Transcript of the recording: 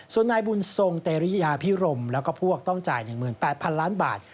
ส่วนนายบุญทรงแต่ริยาพิรมและผู้ออกต้องจ่ายเมื่อ๘๐๐๐ล้านบาท